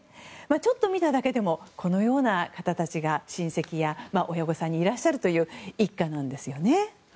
ちょっと見ただけでもこのような方たちが親戚や親御さんにいらっしゃるという一家なんですよね。